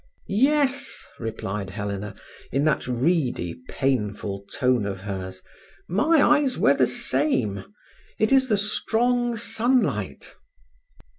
"Yes," replied Helena, in that reedy, painful tone of hers. "My eyes were the same. It is the strong sunlight."